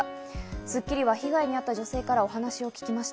『スッキリ』は被害に遭った女性からお話を聞きました。